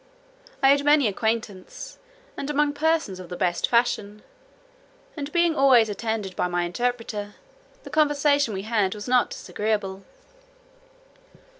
I had many acquaintance, and among persons of the best fashion; and being always attended by my interpreter, the conversation we had was not disagreeable.